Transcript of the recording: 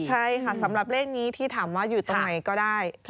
ใช่ค่ะสำหรับเลขนี้ที่ถามว่าอยู่ตรงไหนก็ได้